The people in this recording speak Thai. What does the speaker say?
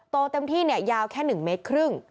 โตเต็มที่เนี่ยยาวแค่๑๕เมตร